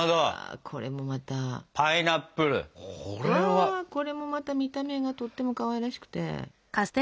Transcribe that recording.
うわこれもまた見た目がとってもかわいらしくて。